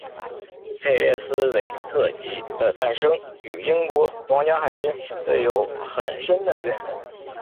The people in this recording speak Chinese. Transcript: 佩列斯韦特级的诞生与英国皇家海军的有很深的渊源。